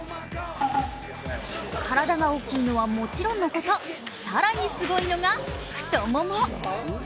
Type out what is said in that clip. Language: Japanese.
体が大きいのはもちろんのこと、更にすごいのが太もも。